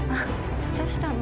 どうしたの？